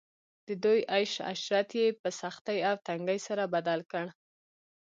د دوی عيش عشرت ئي په سختۍ او تنګۍ سره بدل کړ